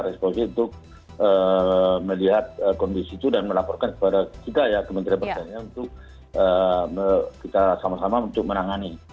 responsif untuk melihat kondisi itu dan melaporkan kepada kita ya kementerian pertanian untuk kita sama sama untuk menangani